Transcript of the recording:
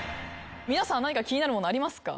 皆さん何か気になるものありますか？